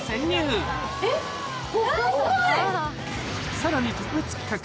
さらに特別企画！